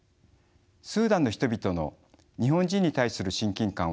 スーダンの人々の日本人に対する親近感は特別です。